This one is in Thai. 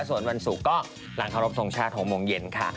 ส่วนวันศุกร์ก็หลังเคารพทรงชาติ๖โมงเย็นค่ะ